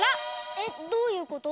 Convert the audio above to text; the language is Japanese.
えっ？どういうこと？